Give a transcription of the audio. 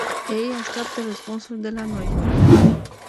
Ei așteaptă răspunsuri de la noi.